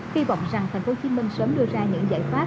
hy vọng rằng tp hcm sớm đưa ra những giải pháp